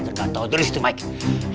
tergantung dari situ mike